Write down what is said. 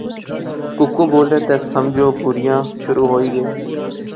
کُکو بولے تے سمجھو بریا شروع ہوئی غَئی